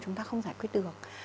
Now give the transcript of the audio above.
chúng ta không giải quyết được